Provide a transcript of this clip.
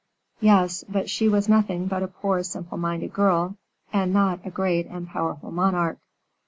Yes, but she was nothing but a poor simple minded girl, and not a great and powerful monarch.